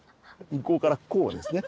向こうからこうですね。